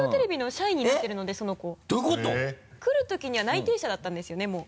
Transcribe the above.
来る時には内定者だったんですよねもう。